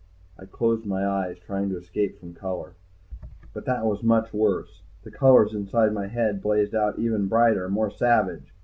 I closed my eyes, trying to escape from color, but that was much worse. The colors inside my head blazed out even brighter, more savage.